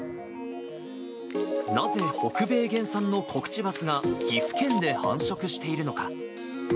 なぜ、北米原産のコクチバスが岐阜県で繁殖しているのか。